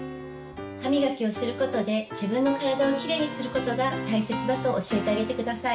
歯みがきをすることで自分の体をきれいにすることが大切だと教えてあげてください。